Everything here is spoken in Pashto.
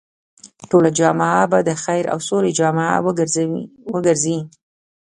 ټوله جامعه به د خير او سولې جامعه وګرځي.